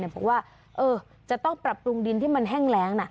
บอกว่าจะต้องปรับปรุงดินที่มันแห้งแรงนะ